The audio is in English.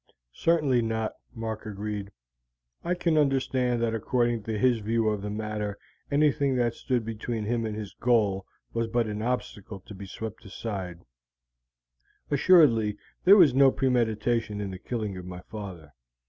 "Certainly not," Mark agreed. "I can understand that according to his view of the matter anything that stood between him and his goal was but an obstacle to be swept aside; assuredly there was no premeditation in the killing of my father.